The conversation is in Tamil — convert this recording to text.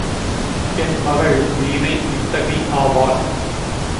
என் மகள் வீணை வித்தகி ஆவாள்.